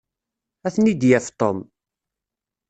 Ad ten-id-yaf Tom.